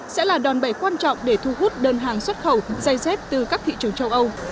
sẽ là đòn bẩy quan trọng để thu hút đơn hàng xuất khẩu dây dép từ các thị trường châu âu